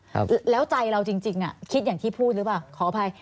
ครับแล้วใจเราจริงจริงอ่ะคิดอย่างที่พูดหรือเปล่าขออภัย